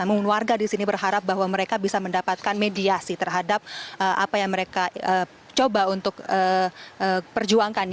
namun warga di sini berharap bahwa mereka bisa mendapatkan mediasi terhadap apa yang mereka coba untuk perjuangkan